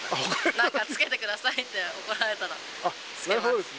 なんか着けてくださいって怒られたら着けます。